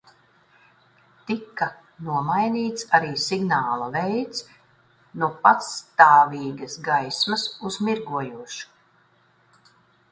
Tika nomainīts arī signāla veids, no pastāvīgas gaismas uz mirgojošu.